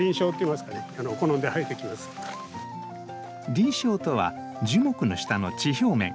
林床とは樹木の下の地表面。